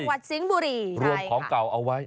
จังหวัดสิงบุรีรวมของเก่าเอาไว้